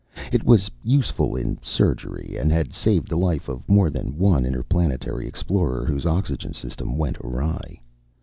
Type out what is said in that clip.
It was useful in surgery, and had saved the life of more than one interplanetary explorer whose oxygen system went awry.